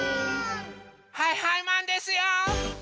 はいはいマンですよ！